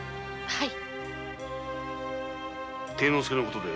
はい。